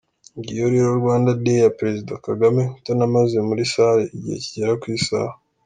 Ngiyo rero Rwanda Day ya Perezida Kagame utanamaze muri Salle igihe kigera ku isaha!